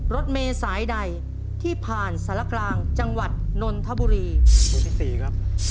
รถเมษายใดที่ผ่านสารกลางจังหวัดนนทบุรีคู่ที่สี่ครับ